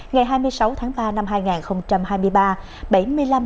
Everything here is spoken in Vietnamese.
ngày hai mươi sáu tháng ba năm hai nghìn hai mươi ba